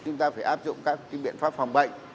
chúng ta phải áp dụng các biện pháp phòng bệnh